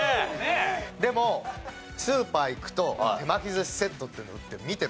でもスーパー行くと手巻き寿司セットっていうの売ってるの見てます。